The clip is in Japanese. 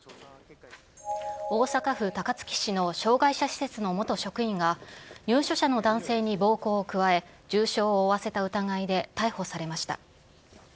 大阪府高槻市の障害者施設の元職員が、入所者の男性に暴行を加え、重傷を負わせた疑いで逮捕されました。